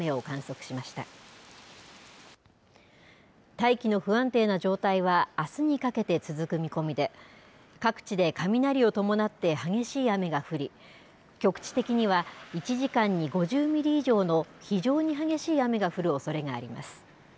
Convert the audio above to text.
大気の不安定な状態はあすにかけて続く見込みで各地で雷を伴って激しい雨が降り局地的には１時間に５０ミリ以上の非常に激しい雨が降るおそれがあります。